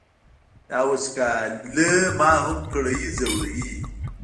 دا وچکالي ما هم کړوي ځوروي یې.